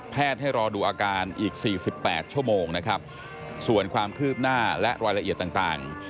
ให้รอดูอาการอีก๔๘ชั่วโมงนะครับส่วนความคืบหน้าและรายละเอียดต่าง